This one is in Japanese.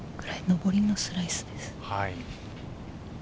上りのスライスです。